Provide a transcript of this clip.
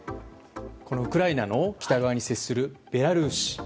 ウクライナの北側に接するベラルーシ。